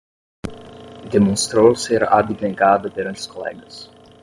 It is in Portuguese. Demonstrou ser abnegada perante os colegas